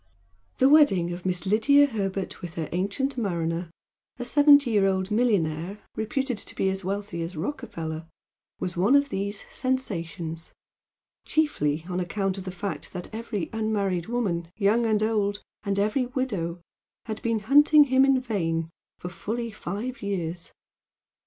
The wedding of Miss Lydia Herbert with her "ancient mariner," a seventy year old millionaire reputed to be as wealthy as Rockefeller, was one of these "sensations" chiefly on account of the fact that every unmarried woman young and old, and every widow, had been hunting him in vain for fully five years.